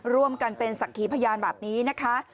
ร่วมกันเป็นศักดิ์ขีพยานแบบนี้นะคะ